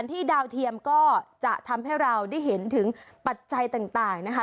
ดาวเทียมก็จะทำให้เราได้เห็นถึงปัจจัยต่างนะคะ